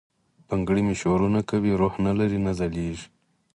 بنګړي مي شورنه کوي، روح نه لری، نه ځلیږي